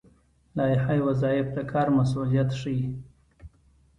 لایحه وظایف د کار مسوولیت ښيي